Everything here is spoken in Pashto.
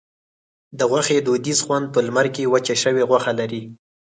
د غوښې دودیز خوند په لمر کې وچه شوې غوښه لري.